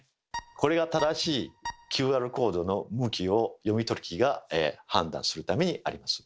これが正しいＱＲコードの向きを読み取り機が判断するためにあります。